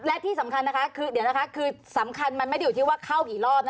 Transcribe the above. และที่สำคัญนะคะคือเดี๋ยวนะคะคือสำคัญมันไม่ได้อยู่ที่ว่าเข้ากี่รอบ